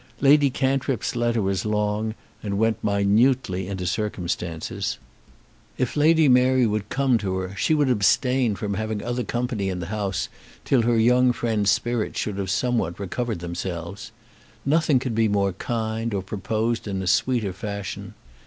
Lady Cantrip's letter was long, and went minutely into circumstances. If Lady Mary would come to her, she would abstain from having other company in the house till her young friend's spirits should have somewhat recovered themselves. Nothing could be more kind, or proposed in a sweeter fashion.